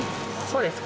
そうです。